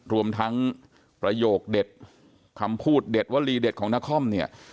รวมทั้งประโยคเด็ดคำพูดเด็ดวลีเด็ดของนครเนี่ย